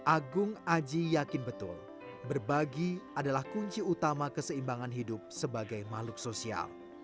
agung aji yakin betul berbagi adalah kunci utama keseimbangan hidup sebagai makhluk sosial